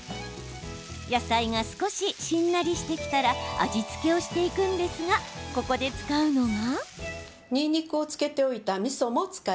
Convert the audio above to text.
野菜が少ししんなりしてきたら味付けをしていくんですがここで使うのが。